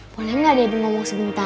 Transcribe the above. boleh nggak debbie ngomong sebentar